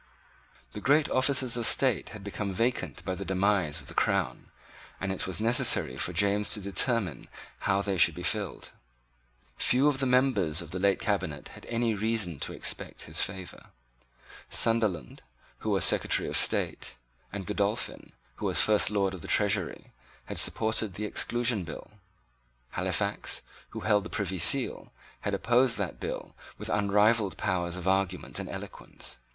The great offices of state had become vacant by the demise of the crown and it was necessary for James to determine how they should be filled. Few of the members of the late cabinet had any reason to expect his favour. Sunderland, who was Secretary of State, and Godolphin, who was First Lord of the Treasury, had supported the Exclusion Bill. Halifax, who held the Privy Seal, had opposed that bill with unrivalled powers of argument and eloquence.